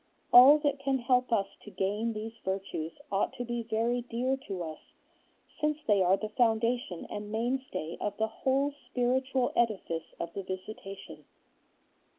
All that can help us to gain these virtues ought to be very dear to us, since they are the foundation and mainstay of the whole spiritual edifice of the Visitation.